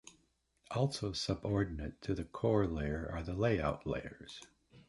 Also subordinate to the core layer are the "layout" layers.